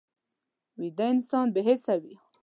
ویده انسان بې حسه وي